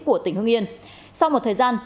của tỉnh hương yên sau một thời gian